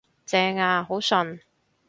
正呀，好順